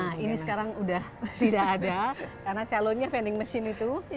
nah ini sekarang sudah tidak ada karena calonnya vending machine itu